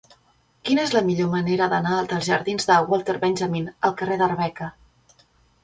Quina és la millor manera d'anar dels jardins de Walter Benjamin al carrer d'Arbeca?